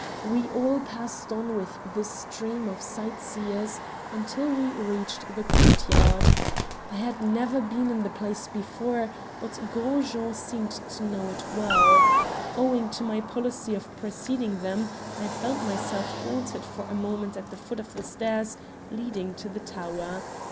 We all passed on with the stream of sightseers until we reached the courtyard. I had never been in the place before, but Gros Jean seemed to know it well. Owing to my policy of preceding them I found myself halted for a moment at the foot of the stairs leading to the tower.